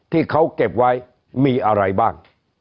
ที่เขาเก็บไว้มีอะไรบ้าง